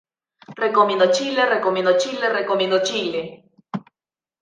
Recomiendo Chile, Recomiendo Chile, Recomiendo Chile.